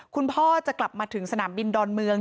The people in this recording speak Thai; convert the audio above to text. คุณพ่อจะกลับมาถึงสนามบินดอนเมือง